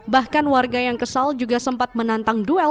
bahkan warga yang kesal juga sempat menantang duel